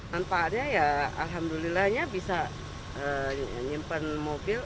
manfaatnya ya alhamdulillahnya bisa nyimpan mobil